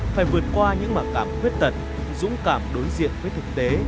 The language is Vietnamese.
phải vượt qua những mặc cảm khuyết tật dũng cảm đối diện với thực tế